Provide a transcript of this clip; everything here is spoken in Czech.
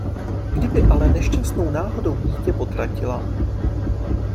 Kdyby ale nešťastnou náhodou dítě potratila...